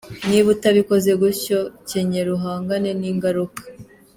Niba utabikoze gutyo kenyera uhangane n’ingaruka.